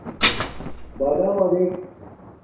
بَدَمݳ دݵک.